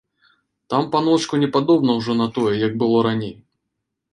Там, паночку, не падобна ўжо на тое, як было раней.